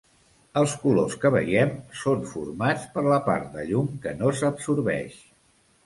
Els colors que veiem són formats per la part de llum que no s'absorbeix.